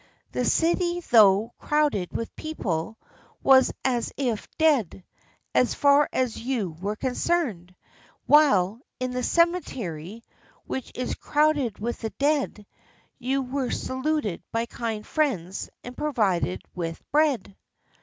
The city, though crowded with people, was as if dead, as far as you were concerned; while, in the cemetery, which is crowded with the dead, you were saluted by kind friends and provided with bread."